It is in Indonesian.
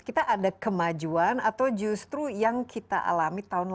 kita ada kemajuan atau justru yang kita alami tahun lalu